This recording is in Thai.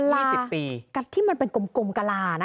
กระลาตาที่มันเป็นกลมกระลานะ